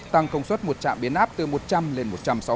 tăng công suất một trạm biến áp từ một trăm linh lên một trăm sáu mươi